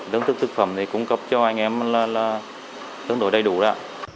đơn thức thực phẩm thì cung cấp cho anh em là tương đối đầy đủ đó